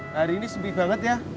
hari ini sempit banget ya